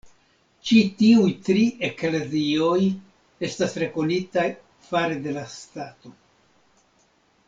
Ĉi tiuj tri eklezioj estas rekonitaj fare de la stato.